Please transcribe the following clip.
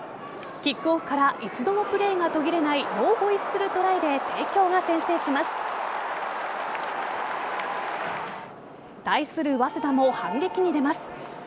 キックオフから一度もプレーが途切れないノーホイッスルトライで帝京が先制します。